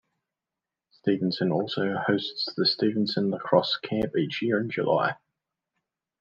Stevenson also hosts the Stevenson Lacrosse Camp each year in July.